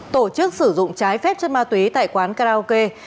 tổ chức sử dụng trái phép chất ma túy tại quán karaoke